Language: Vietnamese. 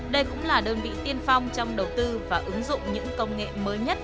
đây cũng là đơn vị tiên phong trong đầu tư và ứng dụng những công nghệ mới nhất